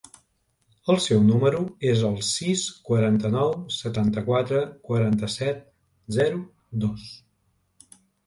El meu número es el sis, quaranta-nou, setanta-quatre, quaranta-set, zero, dos.